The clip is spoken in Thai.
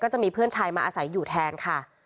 จะมีเพื่อนชายมาอาศัยอยู่แทนค่ะ